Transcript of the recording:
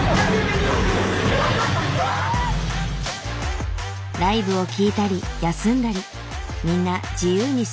ライブを聴いたり休んだりみんな自由に過ごしている。